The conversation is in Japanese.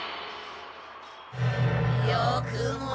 よくも！